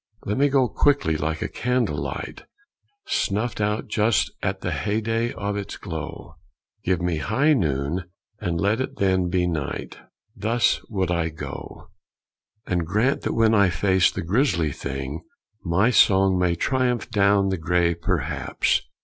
Let me go quickly like a candle light Snuffed out just at the heyday of its glow! Give me high noon and let it then be night! Thus would I go. And grant that when I face the grisly Thing, My song may triumph down the gray Perhaps!